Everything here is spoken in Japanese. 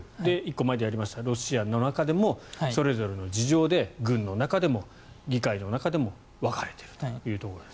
１個前でやったロシアの中でもそれぞれの事情で軍の中でも議会の中でも分かれていると。